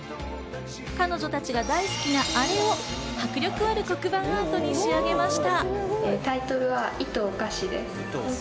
彼女たちが大好きなアレを迫力ある黒板アートに仕上げました。